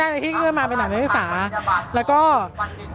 อย่างที่บอกไปว่าเรายังยึดในเรื่องของข้อ